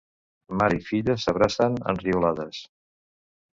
Mare i filla s'abracen, enriolades.